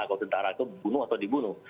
kalau tentara itu dibunuh atau dibunuh